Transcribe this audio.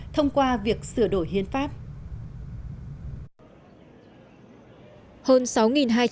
thông qua việc sửa đổi hiến pháp